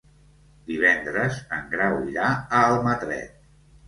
Divendres en Grau irà a Almatret.